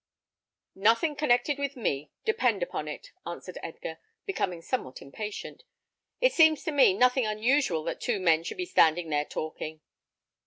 "Nothing connected with me, depend upon it," answered Edgar, becoming somewhat impatient. "It seems to me nothing unusual that two men should be standing there talking."